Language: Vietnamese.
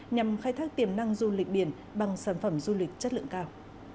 nhằm khai thác tiềm năng du lịch biển bằng sản phẩm du lịch chất lượng cao